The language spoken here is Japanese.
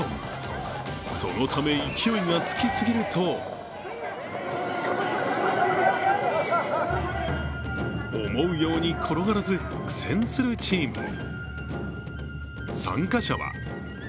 そのため、勢いがつきすぎると思うように転がらず、苦戦するチームも。